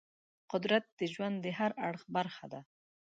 قدرت د ژوند د هر اړخ برخه ده.